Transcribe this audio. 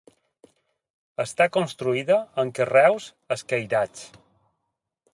Està construïda amb carreus escairats.